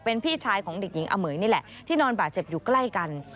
เป็นพี่ชายของเด็กหญิงอเมยนี่แหละที่นอนบาดเจ็บอยู่ใกล้กัน